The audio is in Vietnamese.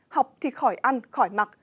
học thì khỏi ăn khỏi mặc